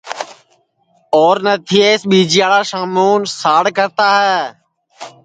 اور نتھیس ٻیجیاڑا شاموں ساڑ کرتا ہے